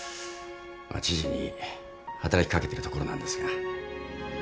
知事に働き掛けてるところなんですが。